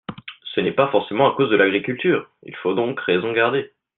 Ce n’est pas forcément à cause de l’agriculture ! Il faut donc raison garder.